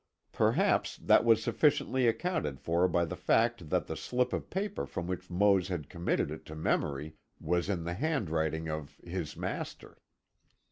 Perhaps that was sufficiently accounted for by the fact that the slip of paper from which Mose had committed it to memory, was in the handwriting of his master.